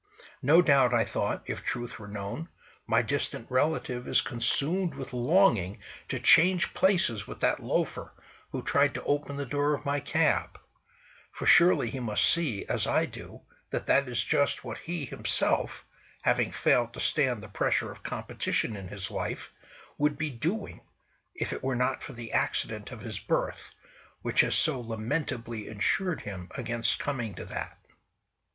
No doubt, I thought, if truth were known, my distant relative is consumed with longing to change places with that loafer who tried to open the door of my cab—for surely he must see, as I do, that that is just what he himself—having failed to stand the pressure of competition in his life—would be doing if it were not for the accident of his birth, which has so lamentably insured him against coming to that.